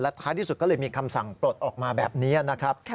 ท้ายที่สุดก็เลยมีคำสั่งปลดออกมาแบบนี้นะครับ